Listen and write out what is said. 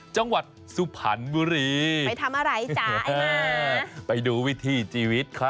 จังหวัดสุพรรณบุรี